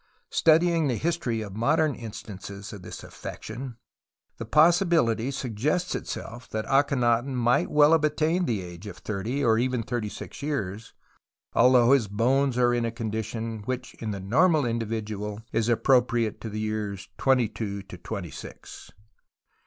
Studying the history of modern instances of this affection the possibility suggests itself that Akhenaton might well have attained the age of tliirty or even thirty six years, although his bones are in a condition which in the normal individual is appropriate to the years twenty two to twenty six.